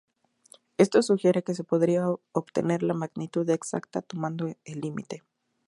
Esto sugiere que se podría obtener la magnitud exacta tomando el límite.